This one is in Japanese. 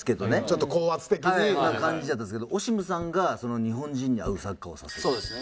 な感じだったんですけどオシムさんが日本人に合うサッカーをさせた。